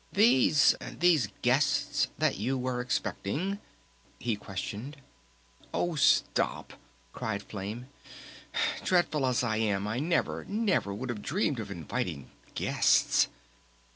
"These these guests that you were expecting ?" he questioned. "Oh, stop!" cried Flame. "Dreadful as I am I never never would have dreamed of inviting 'guests'!"